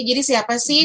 jadi siapa sih